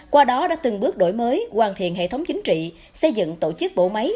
qua đó đã từng bước đổi mới hoàn thiện hệ thống chính trị xây dựng tổ chức bộ máy